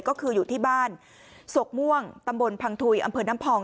ก็คืออยู่ที่บ้านศกม่วงตำบลพังทุยอำเภอน้ำพอง